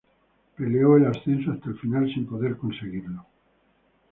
Peleó el ascenso hasta el final, sin poder conseguirlo.